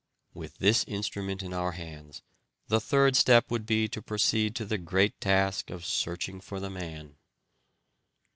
With this instrument in our hands the third step would be to proceed to the great task of searching for the man.